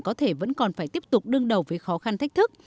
có thể vẫn còn phải tiếp tục đương đầu với khó khăn thách thức